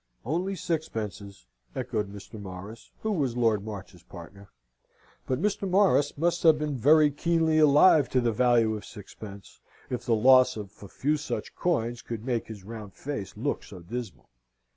"Only sixpences," echoed Mr. Morris, who was Lord March's partner. But Mr. Morris must have been very keenly alive to the value of sixpence, if the loss of a few such coins could make his round face look so dismal.